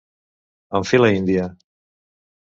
En fila índia.